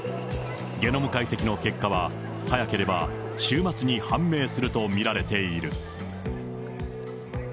ゲノム解析の結果は、早ければ週末に判明すると見られている。